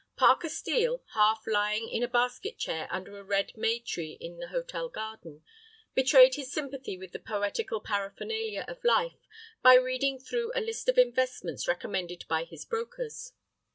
Parker Steel, half lying in a basket chair under a red May tree in the hotel garden, betrayed his sympathy with the poetical paraphernalia of life by reading through a list of investments recommended by his brokers.